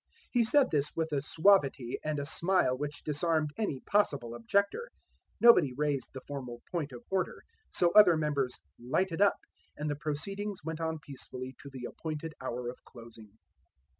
He said this with a suavity and a smile which disarmed any possible objector. Nobody raised the formal point of order; so other members "lighted up," and the proceedings went on peacefully to the appointed hour of closing.